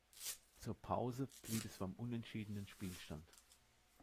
Zur Pause blieb es beim unentschiedenen Spielstand.